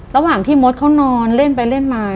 ระหว่างที่มดเขานอนเล่นไปเล่นมา